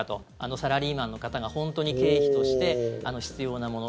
サラリーマンの方が本当に経費として必要なもの。